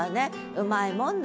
うまいもんだ。